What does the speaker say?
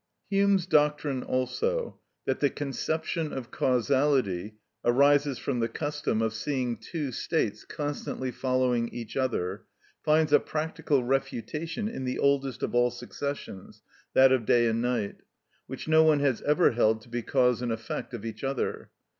Hume's doctrine also, that the conception of causality arises from the custom of seeing two states constantly following each other, finds a practical refutation in the oldest of all successions, that of day and night, which no one has ever held to be cause and effect of each other.